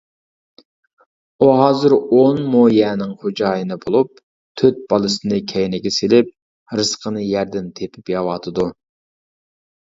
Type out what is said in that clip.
ئۇ ھازىر ئون مو يەرنىڭ خوجايىنى بولۇپ، تۆت بالىسىنى كەينىگە سېلىپ، رىزقىنى يەردىن تېپىپ يەۋاتىدۇ.